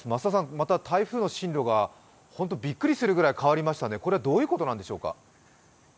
また台風の進路がびっくりするぐらい変わりましたねどういうことなんでしょうか？